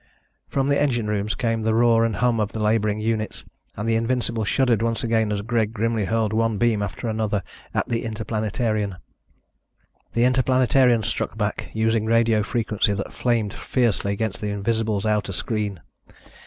From the engine rooms came the roar and hum of the laboring units and the Invincible shuddered once again as Greg grimly hurled one beam after another, at the Interplanetarian. The Interplanetarian struck back, using radio frequency that flamed fiercely against the Invincible's outer screen.